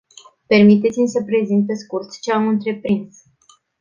Permiteți-mi să prezint pe scurt ce am întreprins.